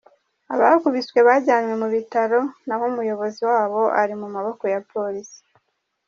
Abakubiswe bajyanywe mu bitaro naho Umuyobozi wabo ari mu maboko ya polisi.